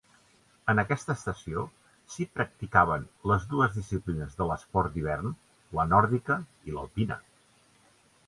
En aquesta estació s'hi practicaven les dues disciplines de l'esport d'hivern, la nòrdica i l'alpina.